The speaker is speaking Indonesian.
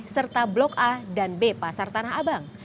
serta blok a dan b pasar tanah abang